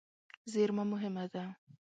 زېرمه مهمه ده.